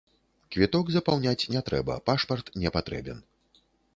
Квіток запаўняць не трэба, пашпарт не патрэбен.